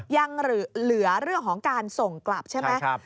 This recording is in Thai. ยังเหลือเรื่องของการส่งกลับใช่ไหม